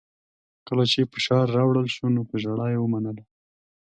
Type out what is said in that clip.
کله چې فشار راوړل شو نو په ژړا یې ومنله